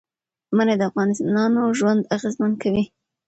منی د افغانانو ژوند اغېزمن کوي.